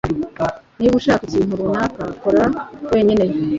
Niba ushaka ikintu runaka, kora wenyine! (al_ex_an_der)